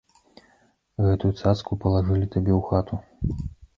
Гэтую цацку палажылі табе ў хату!